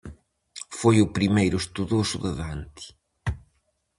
Foi o primeiro estudoso de Dante.